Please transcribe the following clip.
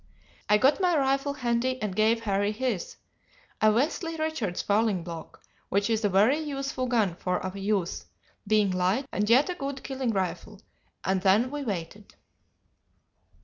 I got my rifle handy and gave Harry his a Westley Richards falling block, which is a very useful gun for a youth, being light and yet a good killing rifle, and then we waited.